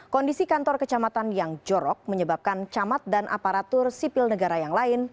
kondisi kantor kecamatan yang jorok menyebabkan camat dan aparatur sipil negara yang lain